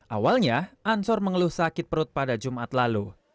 awalnya ansor mengeluh sakit perut pada jumat lalu